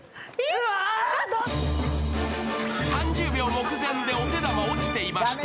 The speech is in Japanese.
３０秒目前でお手玉、落ちていました。